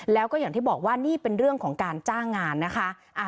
แล้วก็อย่างที่บอกว่านี่เป็นเรื่องของการจ้างงานนะคะ